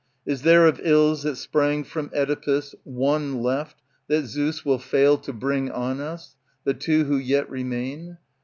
Is there, of ills that sprang from CEdipus, One left that Zeus will fail to bring on us, The two who yet remain